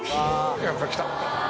やっぱりきた。